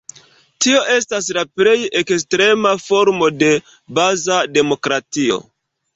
Tio estas la plej ekstrema formo de baza demokratio.